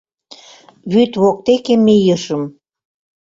Вӱд воктеке мийышым